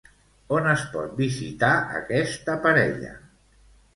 On es pot visitar aquesta parella?